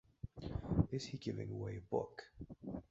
Is he giving away a book?